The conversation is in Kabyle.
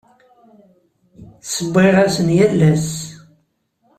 Ssewwayeɣ-asen yal ass.